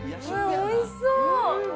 おいしそう。